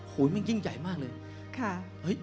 โอ้โหมันยิ่งใหญ่มากเลย